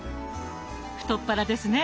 太っ腹ですね！